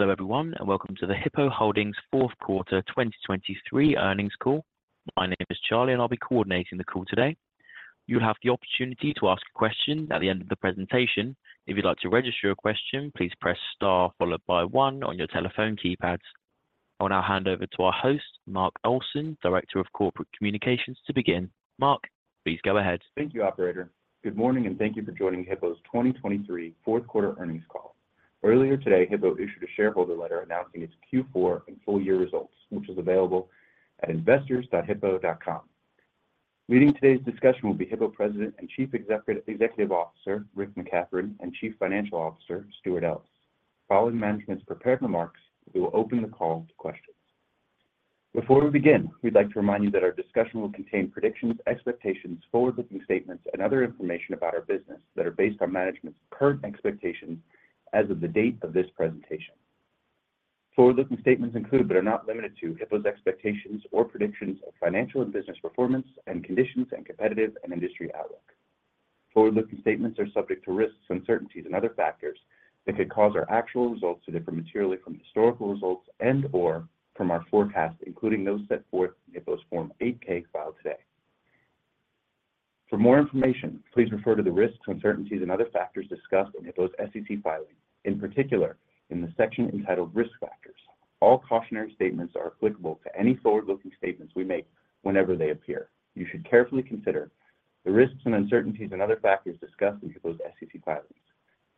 Hello everyone and welcome to the Hippo Holdings fourth quarter 2023 earnings call. My name is Charlie and I'll be coordinating the call today. You'll have the opportunity to ask a question at the end of the presentation. If you'd like to register a question, please press star followed by 1 on your telephone keypads. I will now hand over to our host, Mark Olson, Director of Corporate Communications, to begin. Mark, please go ahead. Thank you, Operator. Good morning and thank you for joining Hippo's 2023 fourth quarter earnings call. Earlier today, Hippo issued a shareholder letter announcing its Q4 and full year results, which is available at investors.hippo.com. Leading today's discussion will be Hippo President and Chief Executive Officer Rick McCathron and Chief Financial Officer Stewart Ellis. Following management's prepared remarks, we will open the call to questions. Before we begin, we'd like to remind you that our discussion will contain predictions, expectations, forward-looking statements, and other information about our business that are based on management's current expectations as of the date of this presentation. Forward-looking statements include but are not limited to Hippo's expectations or predictions of financial and business performance and conditions and competitive and industry outlook. Forward-looking statements are subject to risks, uncertainties, and other factors that could cause our actual results to differ materially from historical results and/or from our forecast, including those set forth in Hippo's Form 8-K filed today. For more information, please refer to the risks, uncertainties, and other factors discussed in Hippo's SEC filing, in particular in the section entitled Risk Factors. All cautionary statements are applicable to any forward-looking statements we make whenever they appear. You should carefully consider the risks and uncertainties and other factors discussed in Hippo's SEC filings.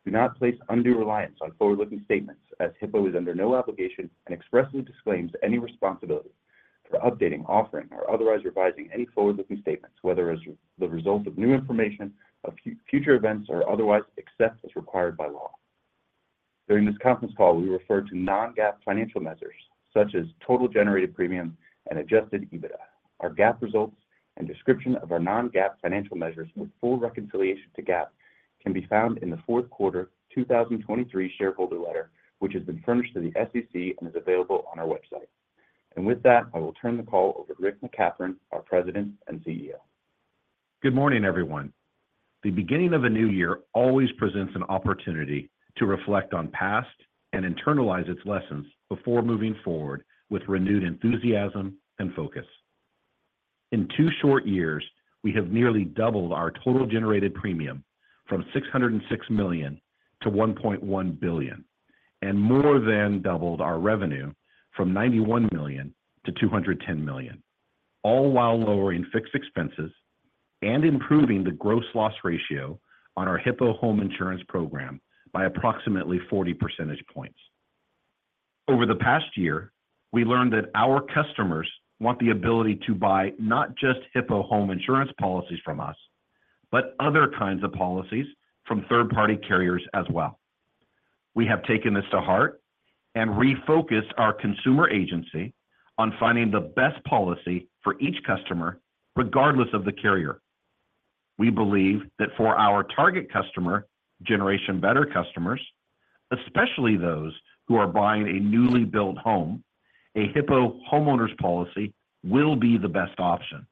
Do not place undue reliance on forward-looking statements as Hippo is under no obligation and expressly disclaims any responsibility for updating, offering, or otherwise revising any forward-looking statements, whether as the result of new information, of future events, or otherwise except as required by law. During this conference call, we refer to non-GAAP financial measures such as total generated premium and adjusted EBITDA. Our GAAP results and description of our non-GAAP financial measures with full reconciliation to GAAP can be found in the fourth quarter 2023 shareholder letter, which has been furnished to the SEC and is available on our website. And with that, I will turn the call over to Rick McCathron, our President and CEO. Good morning, everyone. The beginning of a new year always presents an opportunity to reflect on past and internalize its lessons before moving forward with renewed enthusiasm and focus. In two short years, we have nearly doubled our total generated premium from $606 million to $1.1 billion and more than doubled our revenue from $91 million to $210 million, all while lowering fixed expenses and improving the gross loss ratio on our Hippo Home Insurance Program by approximately 40 percentage points. Over the past year, we learned that our customers want the ability to buy not just Hippo Home Insurance policies from us but other kinds of policies from third-party carriers as well. We have taken this to heart and refocused our consumer agency on finding the best policy for each customer regardless of the carrier. We believe that for our target customer, Generation Better customers, especially those who are buying a newly built home, a Hippo homeowners policy will be the best option.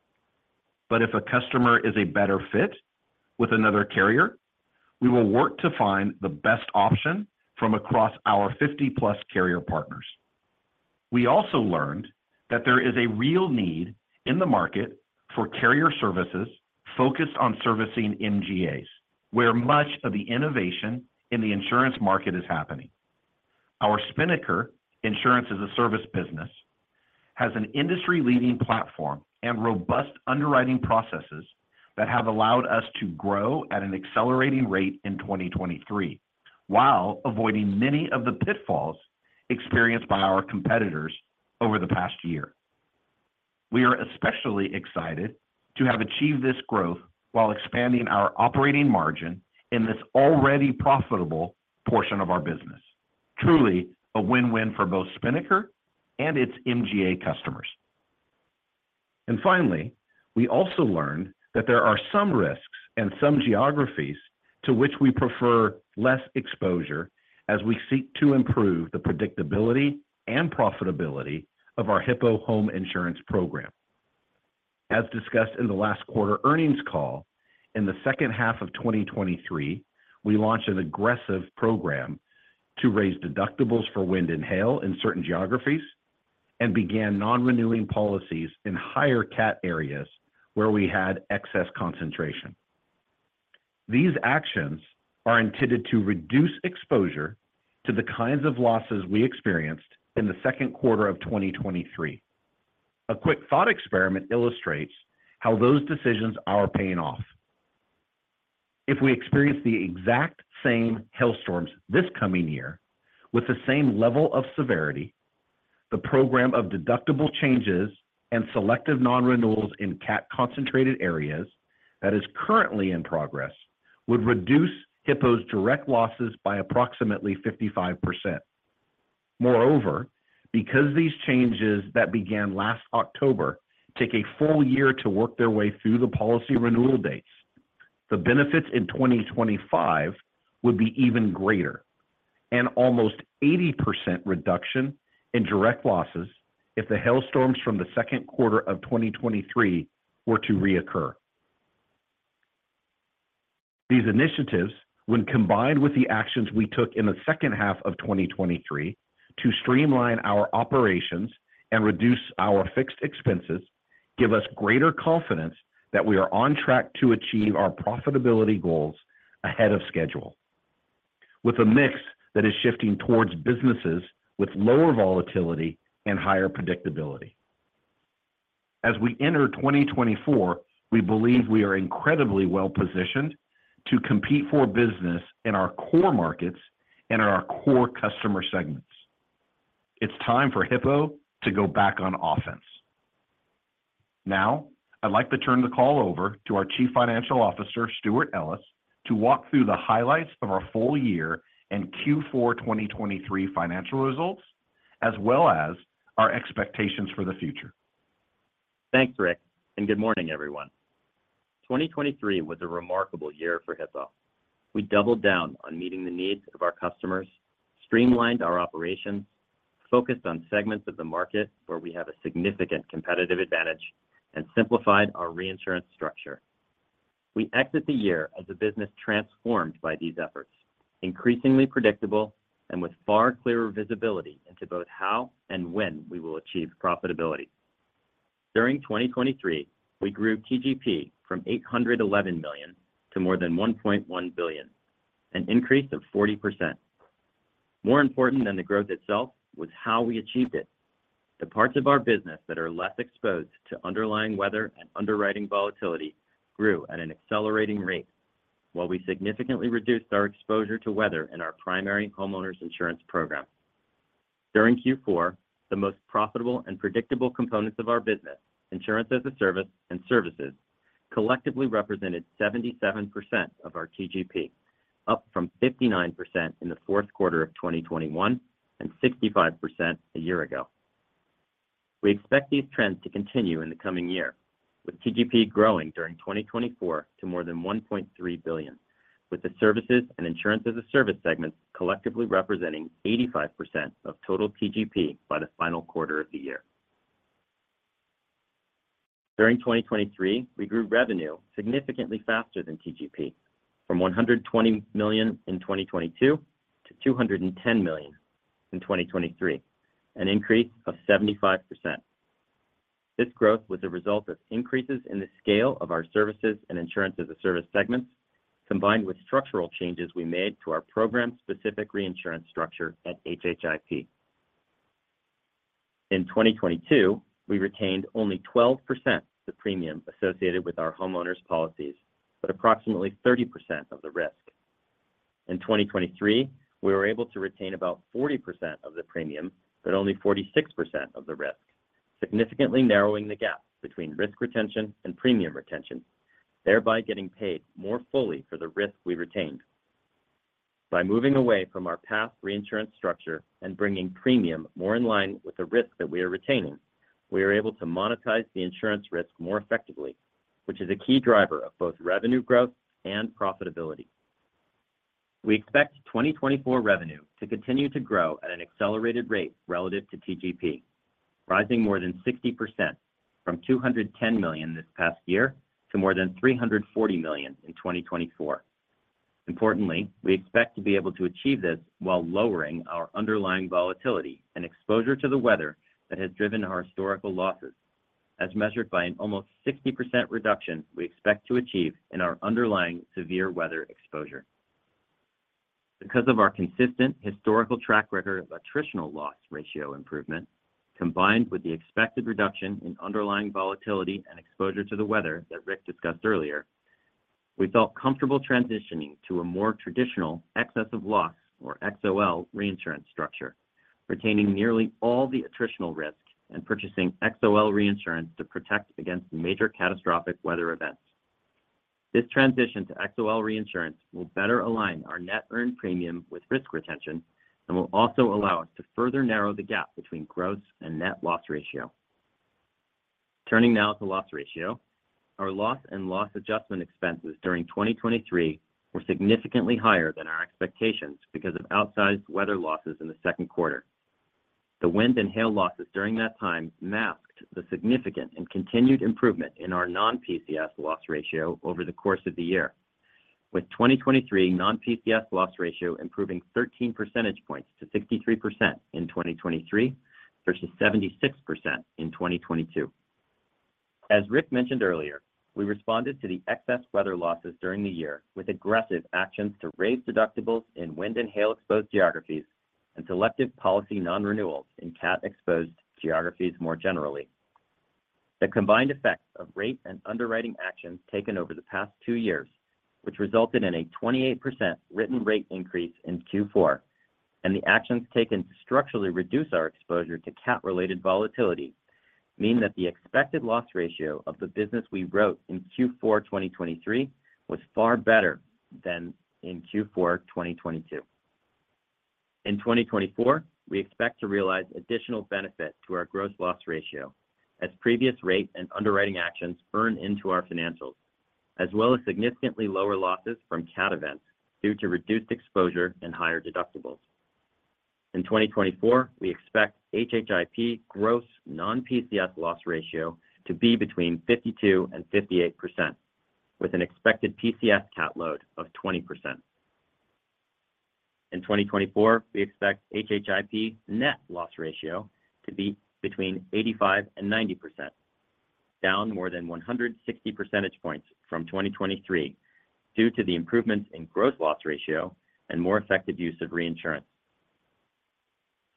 But if a customer is a better fit with another carrier, we will work to find the best option from across our 50+ carrier partners. We also learned that there is a real need in the market for carrier services focused on servicing MGAs, where much of the innovation in the insurance market is happening. Our Spinnaker Insurance as a Service business has an industry-leading platform and robust underwriting processes that have allowed us to grow at an accelerating rate in 2023 while avoiding many of the pitfalls experienced by our competitors over the past year. We are especially excited to have achieved this growth while expanding our operating margin in this already profitable portion of our business, truly a win-win for both Spinnaker and its MGA customers. Finally, we also learned that there are some risks and some geographies to which we prefer less exposure as we seek to improve the predictability and profitability of our Hippo Home Insurance program. As discussed in the last quarter earnings call, in the second half of 2023, we launched an aggressive program to raise deductibles for wind and hail in certain geographies and began non-renewing policies in higher CAT areas where we had excess concentration. These actions are intended to reduce exposure to the kinds of losses we experienced in the second quarter of 2023. A quick thought experiment illustrates how those decisions are paying off. If we experience the exact same hailstorms this coming year with the same level of severity, the program of deductible changes and selective non-renewals in CAT-concentrated areas that is currently in progress would reduce Hippo's direct losses by approximately 55%. Moreover, because these changes that began last October take a full year to work their way through the policy renewal dates, the benefits in 2025 would be even greater, an almost 80% reduction in direct losses if the hailstorms from the second quarter of 2023 were to reoccur. These initiatives, when combined with the actions we took in the second half of 2023 to streamline our operations and reduce our fixed expenses, give us greater confidence that we are on track to achieve our profitability goals ahead of schedule, with a mix that is shifting towards businesses with lower volatility and higher predictability. As we enter 2024, we believe we are incredibly well-positioned to compete for business in our core markets and in our core customer segments. It's time for Hippo to go back on offense. Now, I'd like to turn the call over to our Chief Financial Officer, Stewart Ellis, to walk through the highlights of our full year and Q4 2023 financial results, as well as our expectations for the future. Thanks, Rick, and good morning, everyone. 2023 was a remarkable year for Hippo. We doubled down on meeting the needs of our customers, streamlined our operations, focused on segments of the market where we have a significant competitive advantage, and simplified our reinsurance structure. We exit the year as a business transformed by these efforts, increasingly predictable and with far clearer visibility into both how and when we will achieve profitability. During 2023, we grew TGP from $811 million to more than $1.1 billion, an increase of 40%. More important than the growth itself was how we achieved it. The parts of our business that are less exposed to underlying weather and underwriting volatility grew at an accelerating rate, while we significantly reduced our exposure to weather in our primary homeowners insurance program. During Q4, the most profitable and predictable components of our business, Insurance as a Service and Services, collectively represented 77% of our TGP, up from 59% in the fourth quarter of 2021 and 65% a year ago. We expect these trends to continue in the coming year, with TGP growing during 2024 to more than $1.3 billion, with the Services and Insurance as a Service segments collectively representing 85% of total TGP by the final quarter of the year. During 2023, we grew revenue significantly faster than TGP, from $120 million in 2022 to $210 million in 2023, an increase of 75%. This growth was a result of increases in the scale of our Services and Insurance as a Service segments, combined with structural changes we made to our program-specific reinsurance structure at HHIP. In 2022, we retained only 12% of the premium associated with our homeowners policies, but approximately 30% of the risk. In 2023, we were able to retain about 40% of the premium, but only 46% of the risk, significantly narrowing the gap between risk retention and premium retention, thereby getting paid more fully for the risk we retained. By moving away from our past reinsurance structure and bringing premium more in line with the risk that we are retaining, we are able to monetize the insurance risk more effectively, which is a key driver of both revenue growth and profitability. We expect 2024 revenue to continue to grow at an accelerated rate relative to TGP, rising more than 60% from $210 million this past year to more than $340 million in 2024. Importantly, we expect to be able to achieve this while lowering our underlying volatility and exposure to the weather that has driven our historical losses, as measured by an almost 60% reduction we expect to achieve in our underlying severe weather exposure. Because of our consistent historical track record of attritional loss ratio improvement, combined with the expected reduction in underlying volatility and exposure to the weather that Rick discussed earlier, we felt comfortable transitioning to a more traditional excess of loss, or XOL, reinsurance structure, retaining nearly all the attritional risk and purchasing XOL reinsurance to protect against major catastrophic weather events. This transition to XOL reinsurance will better align our net earned premium with risk retention and will also allow us to further narrow the gap between gross and net loss ratio. Turning now to loss ratio, our loss and loss adjustment expenses during 2023 were significantly higher than our expectations because of outsized weather losses in the second quarter. The wind and hail losses during that time masked the significant and continued improvement in our non-PCS loss ratio over the course of the year, with 2023 non-PCS loss ratio improving 13 percentage points to 63% in 2023 versus 76% in 2022. As Rick mentioned earlier, we responded to the excess weather losses during the year with aggressive actions to raise deductibles in wind and hail-exposed geographies and selective policy non-renewals in CAT-exposed geographies more generally. The combined effects of rate and underwriting actions taken over the past two years, which resulted in a 28% written rate increase in Q4, and the actions taken to structurally reduce our exposure to CAT-related volatility mean that the expected loss ratio of the business we wrote in Q4 2023 was far better than in Q4 2022. In 2024, we expect to realize additional benefit to our gross loss ratio as previous rate and underwriting actions earn into our financials, as well as significantly lower losses from CAT events due to reduced exposure and higher deductibles. In 2024, we expect HHIP gross non-PCS loss ratio to be between 52% and 58%, with an expected PCS CAT load of 20%. In 2024, we expect HHIP net loss ratio to be between 85%-90%, down more than 160 percentage points from 2023 due to the improvements in gross loss ratio and more effective use of reinsurance.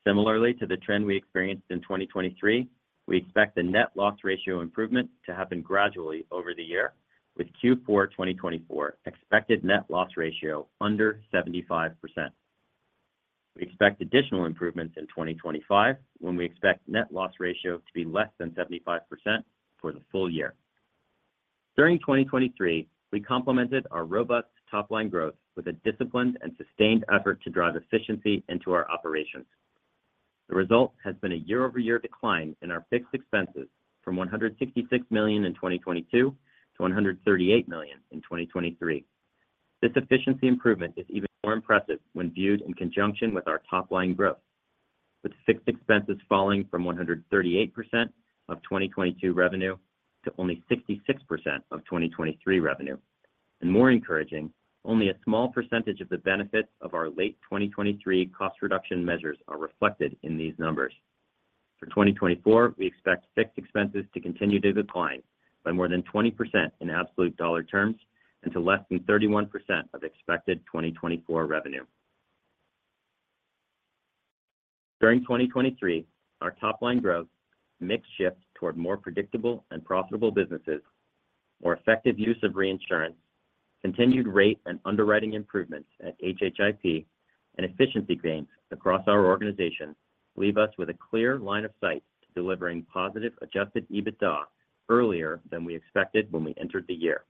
Similarly to the trend we experienced in 2023, we expect the net loss ratio improvement to happen gradually over the year, with Q4 2024 expected net loss ratio under 75%. We expect additional improvements in 2025 when we expect net loss ratio to be less than 75% for the full year. During 2023, we complemented our robust top-line growth with a disciplined and sustained effort to drive efficiency into our operations. The result has been a year-over-year decline in our fixed expenses from $166 million in 2022 to $138 million in 2023. This efficiency improvement is even more impressive when viewed in conjunction with our top-line growth, with fixed expenses falling from 138% of 2022 revenue to only 66% of 2023 revenue. And more encouraging, only a small percentage of the benefits of our late 2023 cost reduction measures are reflected in these numbers. For 2024, we expect fixed expenses to continue to decline by more than 20% in absolute dollar terms and to less than 31% of expected 2024 revenue. During 2023, our top-line growth, mixed shift toward more predictable and profitable businesses, more effective use of reinsurance, continued rate and underwriting improvements at HHIP, and efficiency gains across our organization leave us with a clear line of sight to delivering positive adjusted EBITDA earlier than we expected when we entered the year.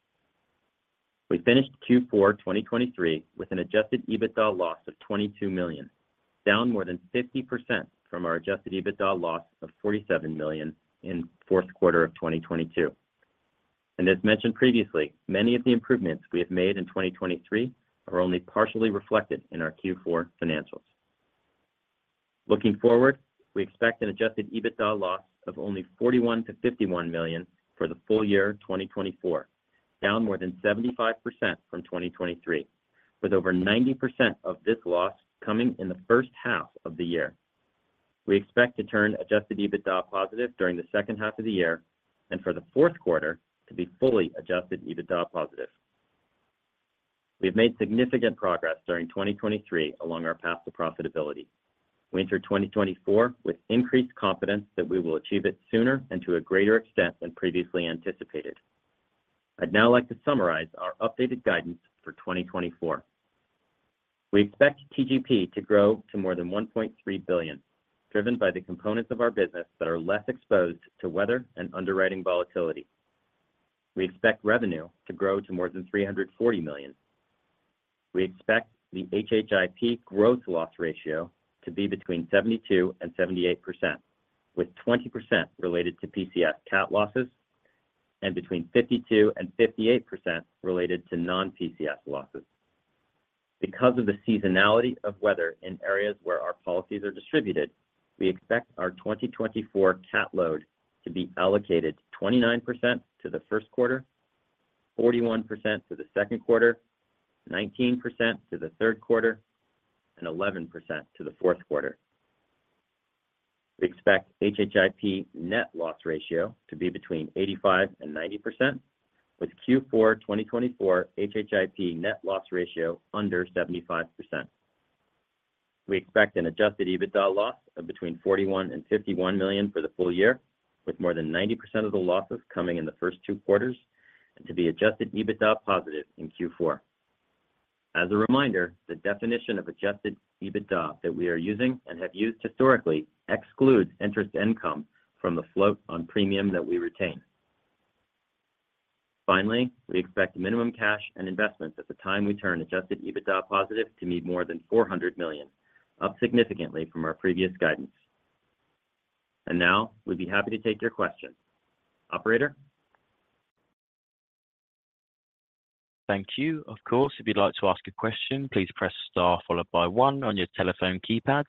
We finished Q4 2023 with an adjusted EBITDA loss of $22 million, down more than 50% from our adjusted EBITDA loss of $47 million in fourth quarter of 2022. As mentioned previously, many of the improvements we have made in 2023 are only partially reflected in our Q4 financials. Looking forward, we expect an adjusted EBITDA loss of only $41 million-$51 million for the full year 2024, down more than 75% from 2023, with over 90% of this loss coming in the first half of the year. We expect to turn adjusted EBITDA positive during the second half of the year and for the fourth quarter to be fully adjusted EBITDA positive. We've made significant progress during 2023 along our path to profitability. We enter 2024 with increased confidence that we will achieve it sooner and to a greater extent than previously anticipated. I'd now like to summarize our updated guidance for 2024. We expect TGP to grow to more than $1.3 billion, driven by the components of our business that are less exposed to weather and underwriting volatility. We expect revenue to grow to more than $340 million. We expect the HHIP gross loss ratio to be between 72%-78%, with 20% related to PCS CAT losses and between 52%-58% related to non-PCS losses. Because of the seasonality of weather in areas where our policies are distributed, we expect our 2024 CAT load to be allocated 29% to the first quarter, 41% to the second quarter, 19% to the third quarter, and 11% to the fourth quarter. We expect HHIP net loss ratio to be between 85%-90%, with Q4 2024 HHIP net loss ratio under 75%. We expect an Adjusted EBITDA loss of between $41 million and $51 million for the full year, with more than 90% of the losses coming in the first two quarters and to be Adjusted EBITDA positive in Q4. As a reminder, the definition of Adjusted EBITDA that we are using and have used historically excludes interest income from the float on premium that we retain. Finally, we expect minimum cash and investments at the time we turn Adjusted EBITDA positive to meet more than $400 million, up significantly from our previous guidance. And now, we'd be happy to take your questions. Operator? Thank you. Of course, if you'd like to ask a question, please press Star followed by 1 on your telephone keypads.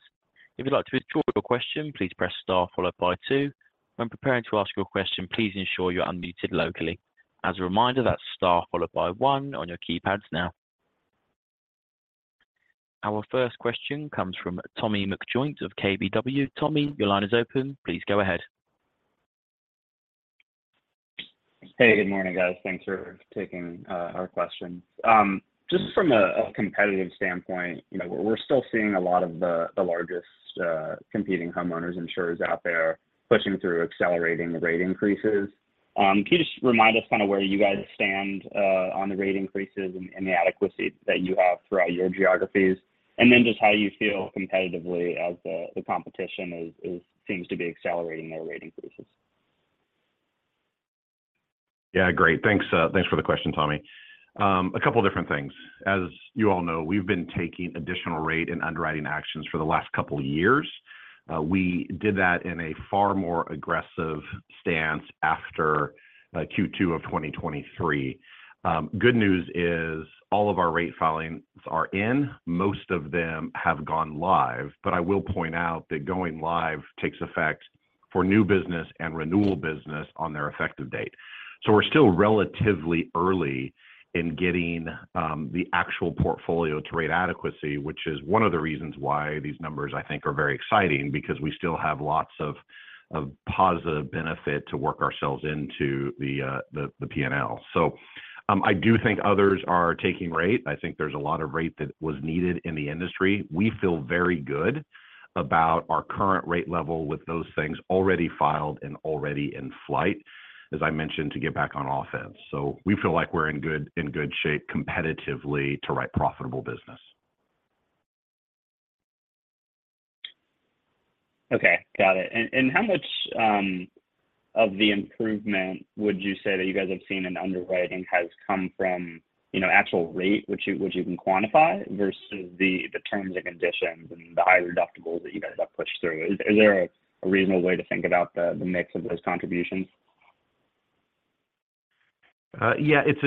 If you'd like to withdraw your question, please press Star followed by 2. When preparing to ask your question, please ensure you're unmuted locally. As a reminder, that's Star followed by 1 on your keypads now. Our first question comes from Tommy McJoynt of KBW. Tommy, your line is open. Please go ahead. Hey, good morning, guys. Thanks for taking our questions. Just from a competitive standpoint, we're still seeing a lot of the largest competing homeowners insurers out there pushing through accelerating rate increases. Can you just remind us kind of where you guys stand on the rate increases and the adequacy that you have throughout your geographies, and then just how you feel competitively as the competition seems to be accelerating their rate increases? Yeah, great. Thanks for the question, Tommy. A couple of different things. As you all know, we've been taking additional rate and underwriting actions for the last couple of years. We did that in a far more aggressive stance after Q2 of 2023. Good news is all of our rate filings are in. Most of them have gone live. But I will point out that going live takes effect for new business and renewal business on their effective date. So we're still relatively early in getting the actual portfolio to rate adequacy, which is one of the reasons why these numbers, I think, are very exciting, because we still have lots of positive benefit to work ourselves into the P&L. So I do think others are taking rate. I think there's a lot of rate that was needed in the industry. We feel very good about our current rate level with those things already filed and already in flight, as I mentioned, to get back on offense. So we feel like we're in good shape competitively to write profitable business. Okay, got it. And how much of the improvement would you say that you guys have seen in underwriting has come from actual rate, which you can quantify, versus the terms and conditions and the higher deductibles that you guys have pushed through? Is there a reasonable way to think about the mix of those contributions? Yeah, it's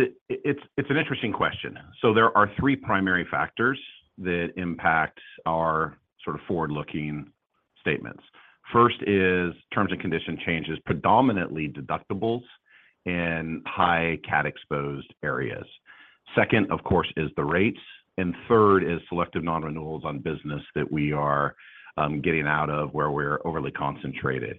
an interesting question. So there are three primary factors that impact our sort of forward-looking statements. First is terms and condition changes, predominantly deductibles in high CAT-exposed areas. Second, of course, is the rates. And third is selective non-renewals on business that we are getting out of where we're overly concentrated.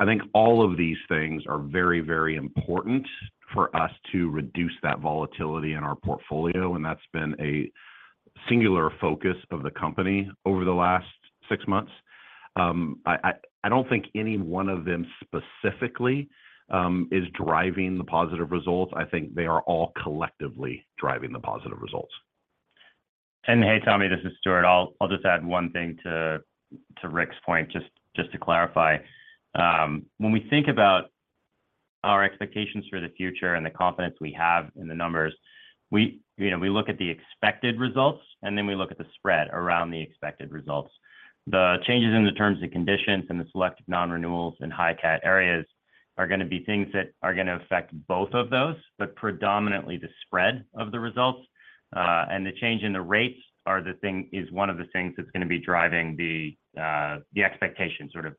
I think all of these things are very, very important for us to reduce that volatility in our portfolio, and that's been a singular focus of the company over the last six months. I don't think any one of them specifically is driving the positive results. I think they are all collectively driving the positive results. Hey, Tommy, this is Stewart. I'll just add one thing to Rick's point, just to clarify. When we think about our expectations for the future and the confidence we have in the numbers, we look at the expected results, and then we look at the spread around the expected results. The changes in the terms and conditions and the selective non-renewals in high CAT areas are going to be things that are going to affect both of those, but predominantly the spread of the results. And the change in the rates is one of the things that's going to be driving the expectations, sort of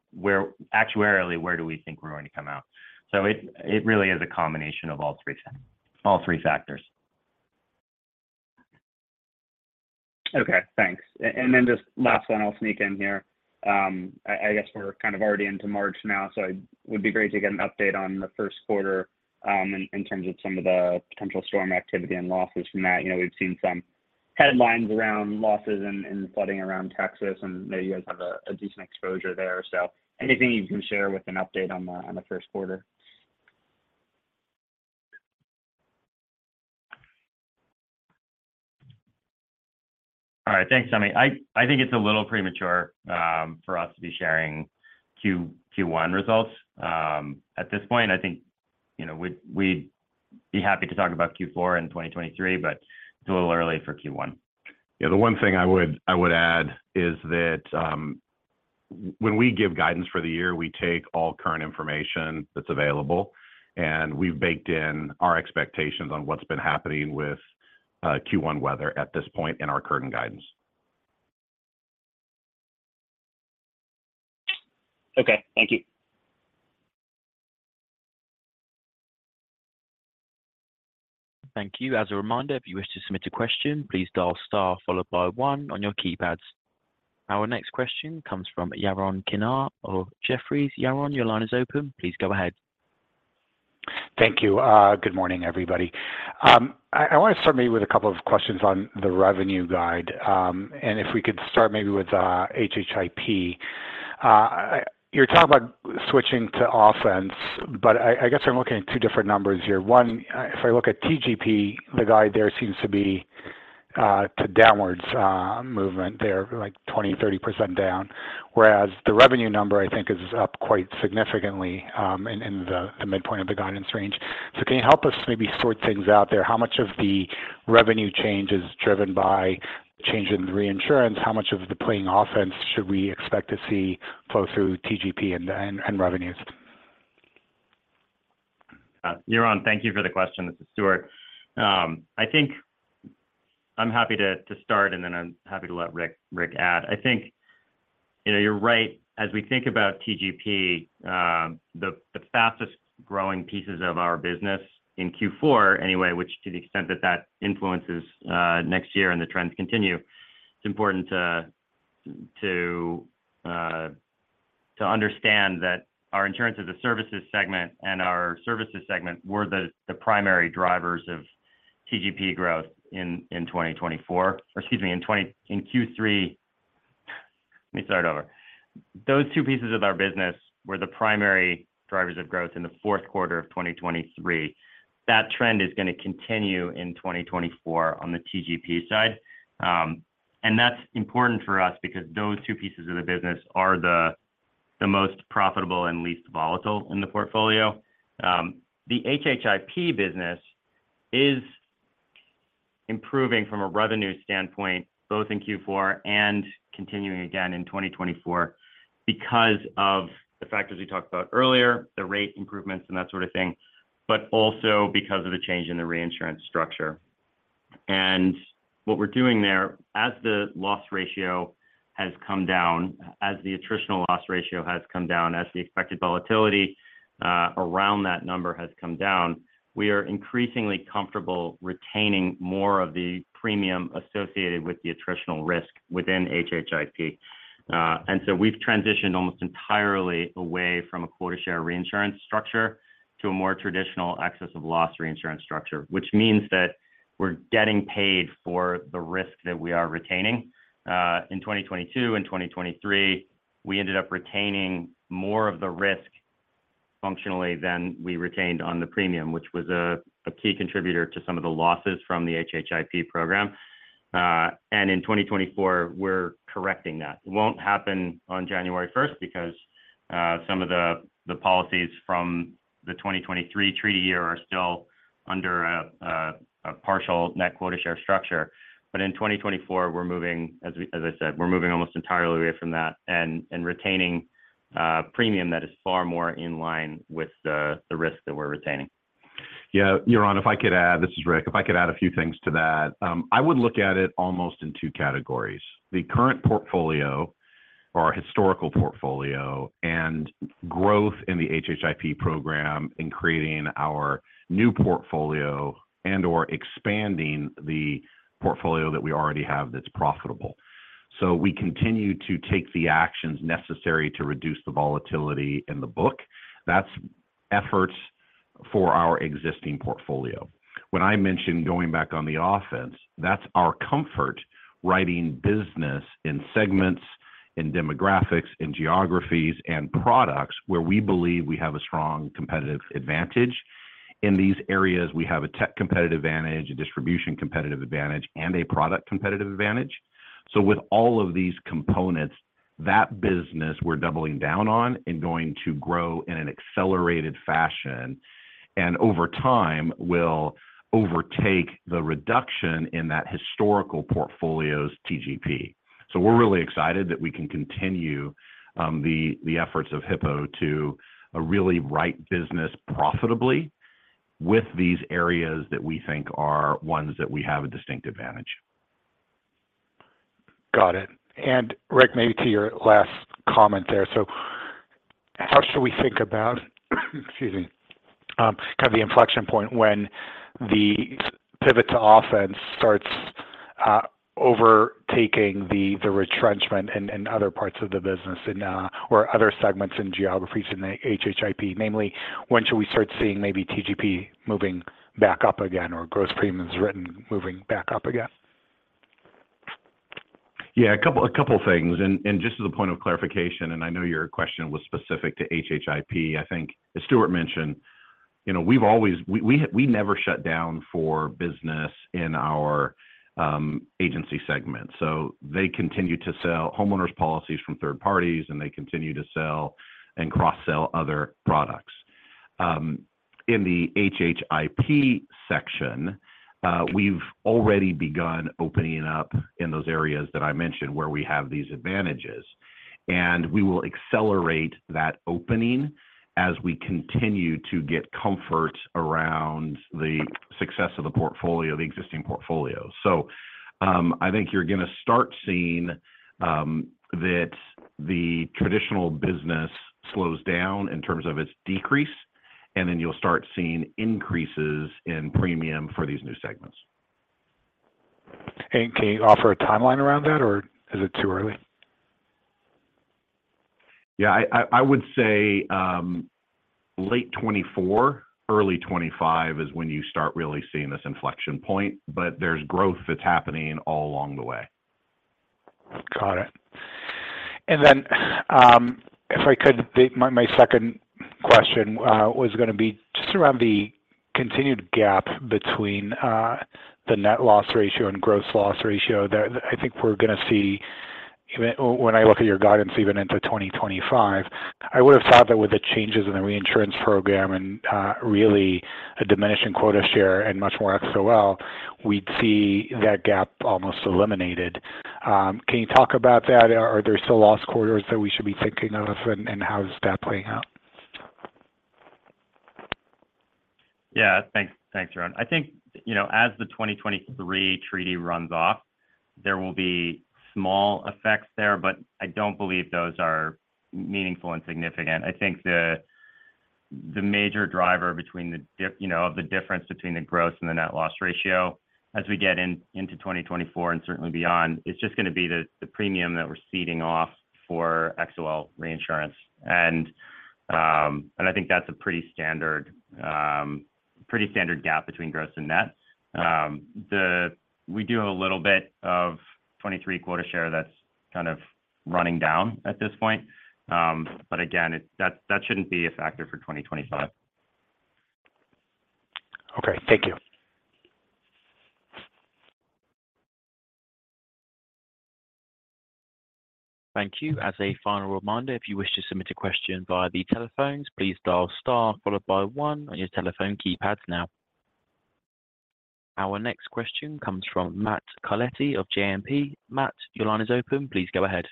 actuarially, where do we think we're going to come out? So it really is a combination of all three factors. Okay, thanks. And then just last one, I'll sneak in here. I guess we're kind of already into March now, so it would be great to get an update on the first quarter in terms of some of the potential storm activity and losses from that. We've seen some headlines around losses and flooding around Texas, and maybe you guys have a decent exposure there. So anything you can share with an update on the first quarter? All right, thanks, Tommy. I think it's a little premature for us to be sharing Q1 results at this point. I think we'd be happy to talk about Q4 in 2023, but it's a little early for Q1. Yeah, the one thing I would add is that when we give guidance for the year, we take all current information that's available, and we've baked in our expectations on what's been happening with Q1 weather at this point in our current guidance. Okay, thank you. Thank you. As a reminder, if you wish to submit a question, please dial star followed by 1 on your keypads. Our next question comes from Yaron Kinar of Jefferies. Yaron, your line is open. Please go ahead. Thank you. Good morning, everybody. I want to start maybe with a couple of questions on the revenue guide. And if we could start maybe with HHIP. You're talking about switching to offense, but I guess I'm looking at two different numbers here. One, if I look at TGP, the guide there seems to be to downwards movement there, like 20%-30% down, whereas the revenue number, I think, is up quite significantly in the midpoint of the guidance range. So can you help us maybe sort things out there? How much of the revenue change is driven by the change in reinsurance? How much of the playing offense should we expect to see flow through TGP and revenues? Yaron, thank you for the question. This is Stewart. I'm happy to start, and then I'm happy to let Rick add. I think you're right. As we think about TGP, the fastest growing pieces of our business in Q4 anyway, which to the extent that that influences next year and the trends continue, it's important to understand that our insurance as a services segment and our services segment were the primary drivers of TGP growth in 2024 or excuse me, in Q3. Let me start over. Those two pieces of our business were the primary drivers of growth in the fourth quarter of 2023. That trend is going to continue in 2024 on the TGP side. And that's important for us because those two pieces of the business are the most profitable and least volatile in the portfolio. The HHIP business is improving from a revenue standpoint, both in Q4 and continuing again in 2024 because of the factors we talked about earlier, the rate improvements, and that sort of thing, but also because of the change in the reinsurance structure. And what we're doing there, as the loss ratio has come down, as the attritional loss ratio has come down, as the expected volatility around that number has come down, we are increasingly comfortable retaining more of the premium associated with the attritional risk within HHIP. And so we've transitioned almost entirely away from a quota share reinsurance structure to a more traditional excess of loss reinsurance structure, which means that we're getting paid for the risk that we are retaining. In 2022 and 2023, we ended up retaining more of the risk functionally than we retained on the premium, which was a key contributor to some of the losses from the HHIP program. In 2024, we're correcting that. It won't happen on January 1st because some of the policies from the 2023 treaty year are still under a partial net quota share structure. But in 2024, we're moving as I said, we're moving almost entirely away from that and retaining premium that is far more in line with the risk that we're retaining. Yeah, Yaron, if I could add, this is Rick. If I could add a few things to that, I would look at it almost in two categories: the current portfolio or historical portfolio and growth in the HHIP program in creating our new portfolio and/or expanding the portfolio that we already have that's profitable. So we continue to take the actions necessary to reduce the volatility in the book. That's efforts for our existing portfolio. When I mentioned going back on the offense, that's our comfort writing business in segments, in demographics, in geographies, and products where we believe we have a strong competitive advantage. In these areas, we have a tech competitive advantage, a distribution competitive advantage, and a product competitive advantage. With all of these components, that business we're doubling down on and going to grow in an accelerated fashion and over time will overtake the reduction in that historical portfolio's TGP. We're really excited that we can continue the efforts of Hippo to really write business profitably with these areas that we think are ones that we have a distinct advantage. Got it. And Rick, maybe to your last comment there. So how should we think about, excuse me, kind of the inflection point when the pivot to offense starts overtaking the retrenchment in other parts of the business or other segments and geographies in the HHIP, namely, when should we start seeing maybe TGP moving back up again or gross premiums written moving back up again? Yeah, a couple of things. And just as a point of clarification, and I know your question was specific to HHIP, I think as Stewart mentioned, we never shut down for business in our agency segment. So they continue to sell homeowners policies from third parties, and they continue to sell and cross-sell other products. In the HHIP section, we've already begun opening up in those areas that I mentioned where we have these advantages. And we will accelerate that opening as we continue to get comfort around the success of the portfolio, the existing portfolio. So I think you're going to start seeing that the traditional business slows down in terms of its decrease, and then you'll start seeing increases in premium for these new segments. Can you offer a timeline around that, or is it too early? Yeah, I would say late 2024, early 2025 is when you start really seeing this inflection point, but there's growth that's happening all along the way. Got it. And then if I could, my second question was going to be just around the continued gap between the net loss ratio and gross loss ratio. I think we're going to see when I look at your guidance even into 2025, I would have thought that with the changes in the reinsurance program and really a diminishing quota share and much more XOL, we'd see that gap almost eliminated. Can you talk about that? Are there still loss quarters that we should be thinking of, and how is that playing out? Yeah, thanks, Yaron. I think as the 2023 treaty runs off, there will be small effects there, but I don't believe those are meaningful and significant. I think the major driver of the difference between the gross and the net loss ratio as we get into 2024 and certainly beyond is just going to be the premium that we're ceding off for XOL reinsurance. And I think that's a pretty standard gap between gross and net. We do have a little bit of 2023 quota share that's kind of running down at this point. But again, that shouldn't be a factor for 2025. Okay, thank you. Thank you. As a final reminder, if you wish to submit a question via the telephones, please dial star followed by 1 on your telephone keypads now. Our next question comes from Matt Carletti of JMP. Matt, your line is open. Please go ahead.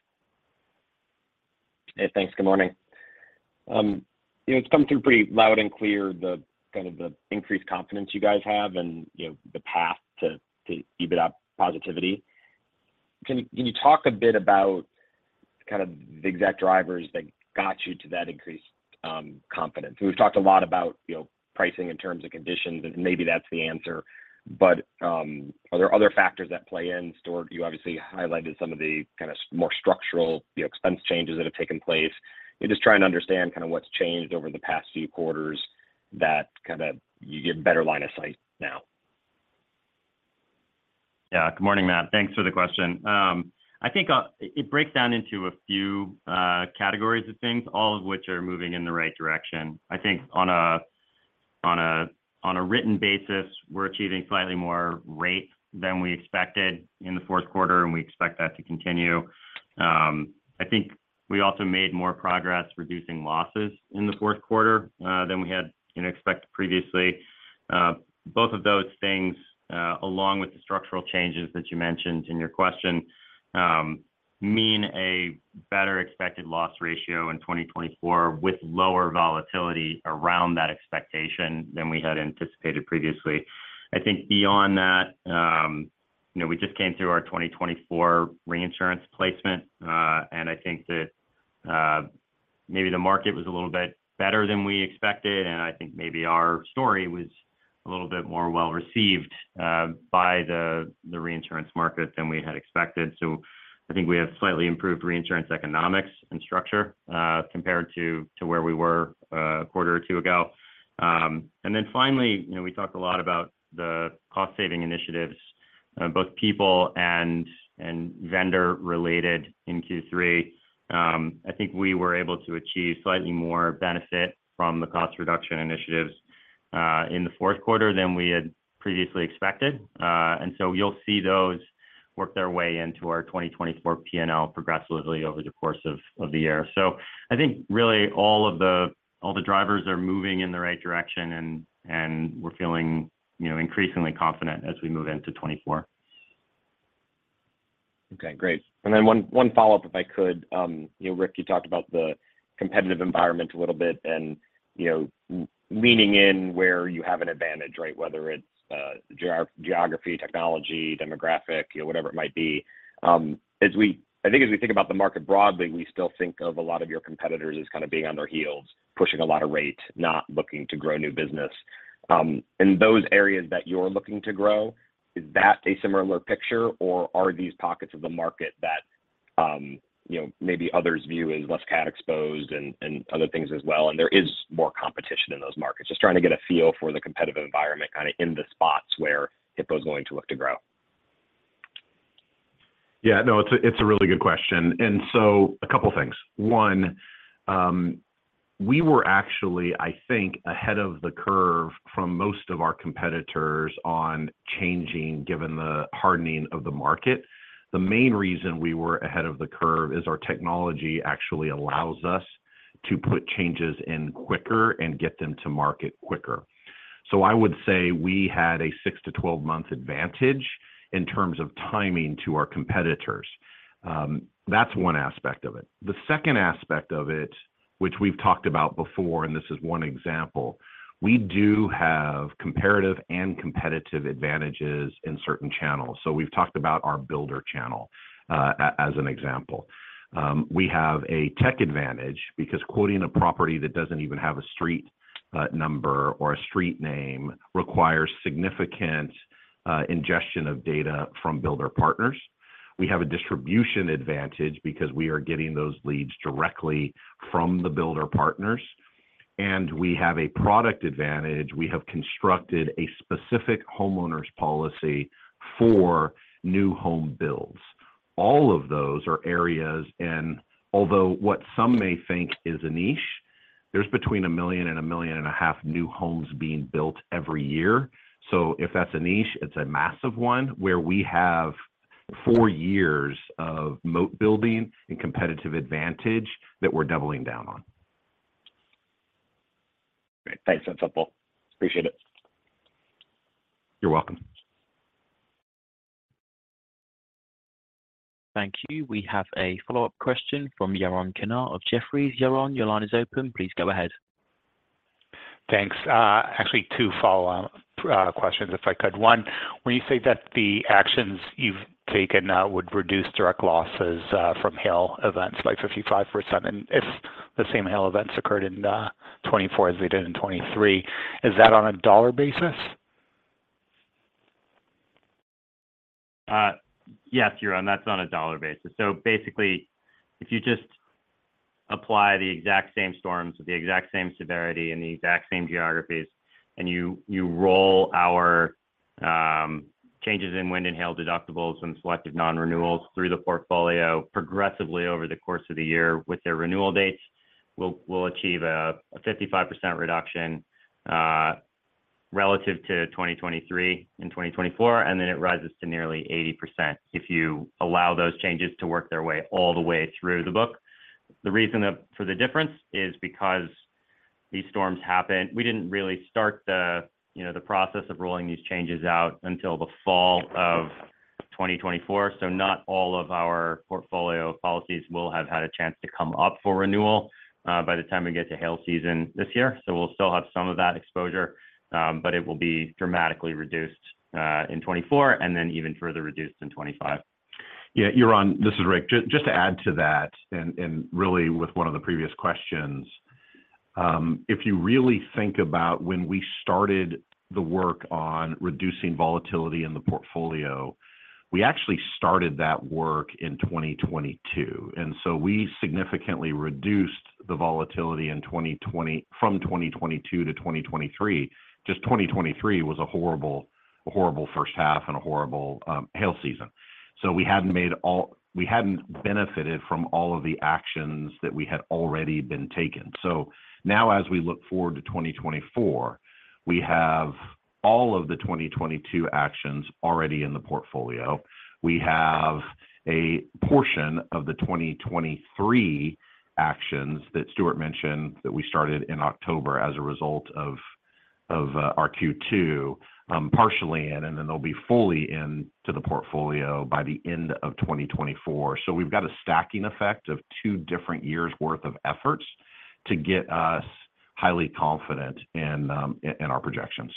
Hey, thanks. Good morning. It's come through pretty loud and clear, kind of the increased confidence you guys have and the path to EBITDA positivity. Can you talk a bit about kind of the exact drivers that got you to that increased confidence? We've talked a lot about pricing in terms of conditions, and maybe that's the answer. But are there other factors that play in? Stewart, you obviously highlighted some of the kind of more structural expense changes that have taken place. Just trying to understand kind of what's changed over the past few quarters that kind of you get a better line of sight now. Yeah, good morning, Matt. Thanks for the question. I think it breaks down into a few categories of things, all of which are moving in the right direction. I think on a written basis, we're achieving slightly more rate than we expected in the fourth quarter, and we expect that to continue. I think we also made more progress reducing losses in the fourth quarter than we had expected previously. Both of those things, along with the structural changes that you mentioned in your question, mean a better expected loss ratio in 2024 with lower volatility around that expectation than we had anticipated previously. I think beyond that, we just came through our 2024 reinsurance placement, and I think that maybe the market was a little bit better than we expected. And I think maybe our story was a little bit more well-received by the reinsurance market than we had expected. So I think we have slightly improved reinsurance economics and structure compared to where we were a quarter or two ago. And then finally, we talked a lot about the cost-saving initiatives, both people and vendor-related in Q3. I think we were able to achieve slightly more benefit from the cost reduction initiatives in the fourth quarter than we had previously expected. And so you'll see those work their way into our 2024 P&L progressively over the course of the year. So I think really all the drivers are moving in the right direction, and we're feeling increasingly confident as we move into 2024. Okay, great. And then one follow-up, if I could. Rick, you talked about the competitive environment a little bit and leaning in where you have an advantage, right, whether it's geography, technology, demographic, whatever it might be. I think as we think about the market broadly, we still think of a lot of your competitors as kind of being on their heels, pushing a lot of rate, not looking to grow new business. In those areas that you're looking to grow, is that a similar picture, or are these pockets of the market that maybe others view as less cat-exposed and other things as well? There is more competition in those markets. Just trying to get a feel for the competitive environment kind of in the spots where Hippo is going to look to grow. Yeah, no, it's a really good question. And so a couple of things. One, we were actually, I think, ahead of the curve from most of our competitors on changing given the hardening of the market. The main reason we were ahead of the curve is our technology actually allows us to put changes in quicker and get them to market quicker. So I would say we had a 6-12-month advantage in terms of timing to our competitors. That's one aspect of it. The second aspect of it, which we've talked about before, and this is one example, we do have comparative and competitive advantages in certain channels. So we've talked about our builder channel as an example. We have a tech advantage because quoting a property that doesn't even have a street number or a street name requires significant ingestion of data from builder partners. We have a distribution advantage because we are getting those leads directly from the builder partners. We have a product advantage. We have constructed a specific homeowners policy for new home builds. All of those are areas in although what some may think is a niche, there's between 1 million and 1.5 million new homes being built every year. So if that's a niche, it's a massive one where we have four years of moat building and competitive advantage that we're doubling down on. Great. Thanks. That's helpful. Appreciate it. You're welcome. Thank you. We have a follow-up question from Yaron Kinar of Jefferies. Yaron, your line is open. Please go ahead. Thanks. Actually, 2 follow-up questions, if I could. One, when you say that the actions you've taken would reduce direct losses from hail events by 55%, and if the same hail events occurred in 2024 as they did in 2023, is that on a dollar basis? Yes, Yaron, that's on a dollar basis. So basically, if you just apply the exact same storms with the exact same severity in the exact same geographies, and you roll our changes in wind and hail deductibles and selective non-renewals through the portfolio progressively over the course of the year with their renewal dates, we'll achieve a 55% reduction relative to 2023 and 2024, and then it rises to nearly 80% if you allow those changes to work their way all the way through the book. The reason for the difference is because these storms happen, we didn't really start the process of rolling these changes out until the fall of 2024. So not all of our portfolio policies will have had a chance to come up for renewal by the time we get to hail season this year. We'll still have some of that exposure, but it will be dramatically reduced in 2024 and then even further reduced in 2025. Yeah, Yaron, this is Rick. Just to add to that, and really with one of the previous questions, if you really think about when we started the work on reducing volatility in the portfolio, we actually started that work in 2022. And so we significantly reduced the volatility from 2022 to 2023. Just 2023 was a horrible first half and a horrible hail season. So we hadn't benefited from all of the actions that we had already been taken. So now, as we look forward to 2024, we have all of the 2022 actions already in the portfolio. We have a portion of the 2023 actions that Stewart mentioned that we started in October as a result of our Q2 partially in, and then they'll be fully in to the portfolio by the end of 2024. So we've got a stacking effect of two different years' worth of efforts to get us highly confident in our projections.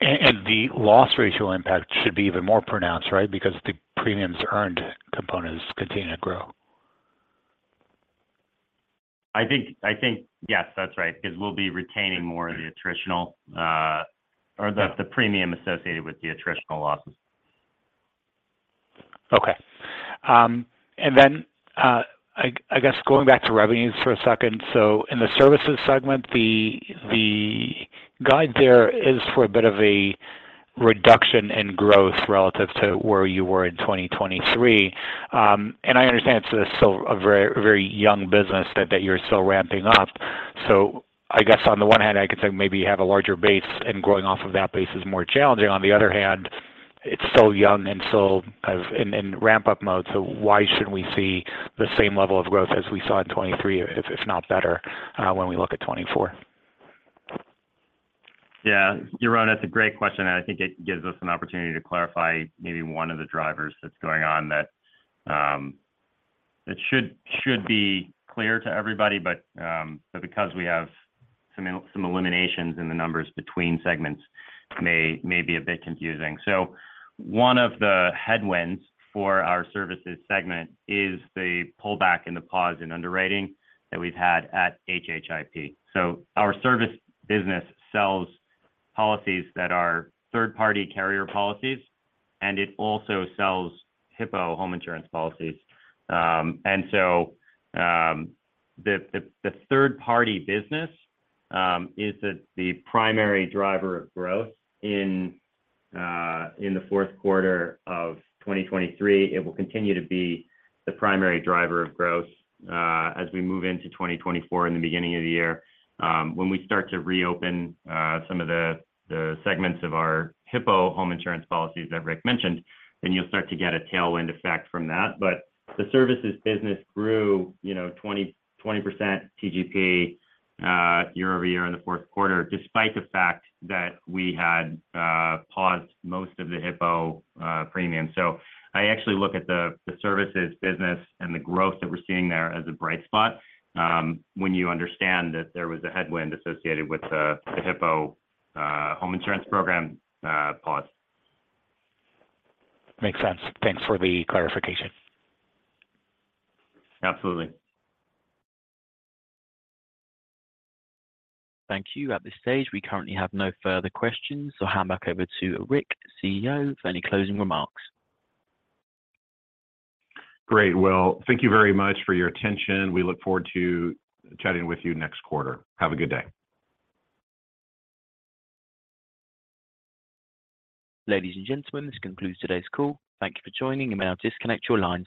The loss ratio impact should be even more pronounced, right, because the premiums earned components continue to grow? I think, yes, that's right, because we'll be retaining more of the attritional or the premium associated with the attritional losses. Okay. And then I guess going back to revenues for a second. So in the services segment, the guide there is for a bit of a reduction in growth relative to where you were in 2023. And I understand it's still a very young business that you're still ramping up. So I guess on the one hand, I could say maybe you have a larger base, and growing off of that base is more challenging. On the other hand, it's still young and still kind of in ramp-up mode. So why shouldn't we see the same level of growth as we saw in 2023, if not better, when we look at 2024? Yeah, Yaron, that's a great question. I think it gives us an opportunity to clarify maybe one of the drivers that's going on that should be clear to everybody, but because we have some eliminations in the numbers between segments, may be a bit confusing. One of the headwinds for our services segment is the pullback in the pause in underwriting that we've had at HHIP. Our service business sells policies that are third-party carrier policies, and it also sells Hippo Home Insurance policies. The third-party business is the primary driver of growth in the fourth quarter of 2023. It will continue to be the primary driver of growth as we move into 2024 in the beginning of the year. When we start to reopen some of the segments of our Hippo Home Insurance policies that Rick mentioned, then you'll start to get a tailwind effect from that. But the services business grew 20% TGP year-over-year in the fourth quarter, despite the fact that we had paused most of the Hippo premium. So I actually look at the services business and the growth that we're seeing there as a bright spot when you understand that there was a headwind associated with the Hippo Home Insurance Program pause. Makes sense. Thanks for the clarification. Absolutely. Thank you. At this stage, we currently have no further questions. So I'll hand back over to Rick, CEO, for any closing remarks. Great. Well, thank you very much for your attention. We look forward to chatting with you next quarter. Have a good day. Ladies and gentlemen, this concludes today's call. Thank you for joining, and may I disconnect your lines?